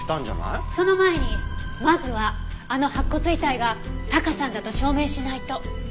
その前にまずはあの白骨遺体がタカさんだと証明しないと。